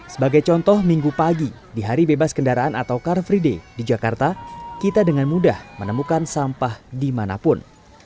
sebagai contoh minggu pagi di hari bebas kendaraan atau car free day di jakarta kita dengan mudah menemukan sampah dimanapun